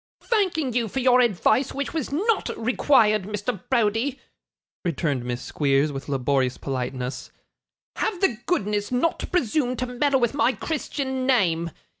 'Thanking you for your advice which was not required, Mr. Browdie,' returned Miss Squeers, with laborious politeness, 'have the goodness not to presume to meddle with my Christian name.